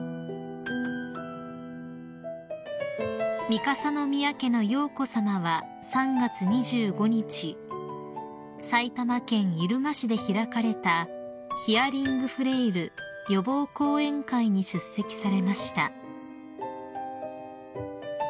［三笠宮家の瑶子さまは３月２５日埼玉県入間市で開かれたヒアリングフレイル予防講演会に出席されました］